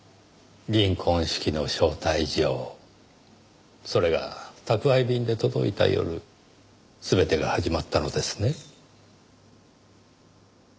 銀婚式の招待状それが宅配便で届いた夜全てが始まったのですね？